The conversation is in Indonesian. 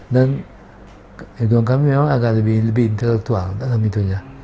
dan ridwan khamia memang agak lebih intelektual dalam itunya